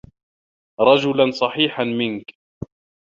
رَجُلًا صَحِيحًا مِنْك